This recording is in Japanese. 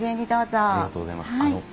ありがとうございます。